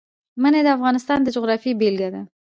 منی د افغانستان د جغرافیې بېلګه ده.